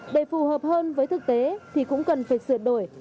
để phù hợp hơn với thực tế thì cũng cần phải sửa đổi